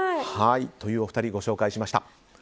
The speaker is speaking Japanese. というお二人ご紹介しました。